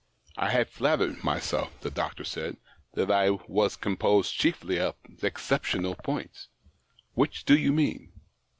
" I had flattered myself," the doctor said, " that I was composed chiefly of exceptional points. Which do you mean